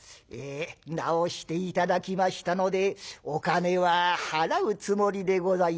「治して頂きましたのでお金は払うつもりでございます」。